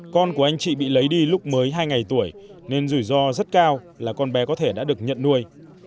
con của anh chị bị lấy đi lúc mới hai ngày tuổi nên rủi ro rất cao là con bé có thể đã được nhận nuôi